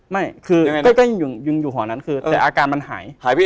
ไม่คือก็ยังอยู่หอนั้นแต่อาการมันหาย